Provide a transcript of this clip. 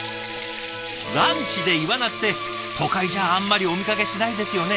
ランチでイワナって都会じゃあんまりお見かけしないですよね。